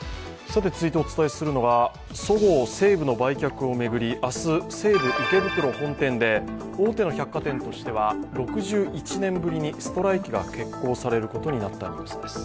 続いてお伝えするのが、そごう・西武の売却を巡り、明日、西武池袋本店で大手の百貨店としては６１年ぶりにストライキが決行されることになったニュースです。